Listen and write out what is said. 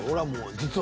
実は。